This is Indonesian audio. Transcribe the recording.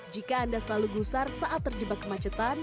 jika anda selalu gusar saat terjebak kemacetan